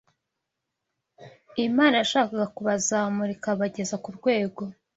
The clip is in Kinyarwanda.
Imana yashakaga kubazamura ikabageza ku rwego